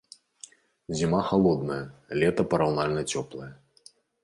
Зіма халодная, лета параўнальна цёплае.